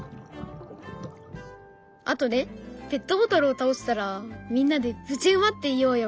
あとねペットボトルを倒したらみんなで「ぶちうま」って言おうよ！